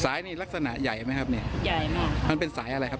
สายนี่ลักษณะใหญ่ไหมครับ